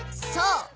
そう！